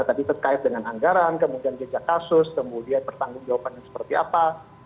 tadi terkait dengan anggaran kemudian jejak kasus kemudian pertanggung jawabannya seperti apa